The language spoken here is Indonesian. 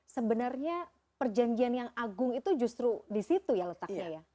sebenarnya perjanjian yang agung itu justru di situ ya letaknya ya